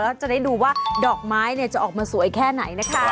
แล้วจะได้ดูว่าดอกไม้จะออกมาสวยแค่ไหนนะคะ